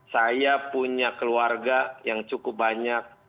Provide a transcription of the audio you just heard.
saya punya keluarga yang cukup banyak